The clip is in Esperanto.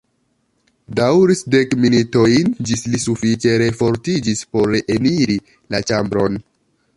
Daŭris dek minutojn ĝis li sufiĉe refortiĝis por reeniri la ĉambron.